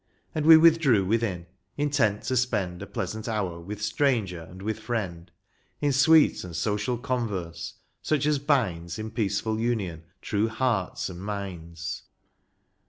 And we withdrew within, intent to spend A pleasant hour with stranger and with friend In sweet and social converse, such as binds In peaceful union true hearts and minds.